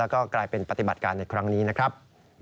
แล้วก็กลายเป็นปฏิบัติการในครั้งนี้นะครับ